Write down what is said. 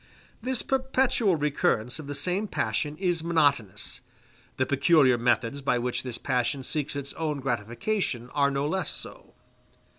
This perpetual recurrence of the same passion is monotonous; the peculiar methods by which this passion seeks its own gratification are no less so.